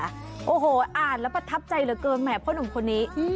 อ้าวอ่านแล้วประทับใจเหลือเกินมากเพราะหนูคนนี้